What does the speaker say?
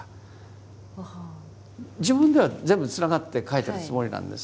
自分では全部つながって書いてるつもりなんです。